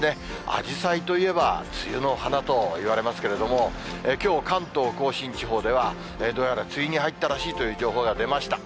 あじさいといえば梅雨の花といわれますけれども、きょう、関東甲信地方では、どうやら梅雨に入ったらしいという情報が出ました。